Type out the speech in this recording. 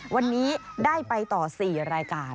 วันนี้ได้ไปต่อ๔รายการ